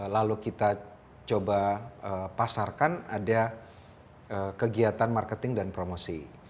lalu kita coba pasarkan ada kegiatan marketing dan promosi